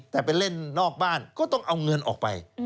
แต่ไปเล่นนอกบ้านก็ต้องเอาเงินออกไป